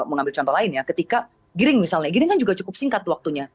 mengambil contoh lain ya ketika giring misalnya giring kan juga cukup singkat waktunya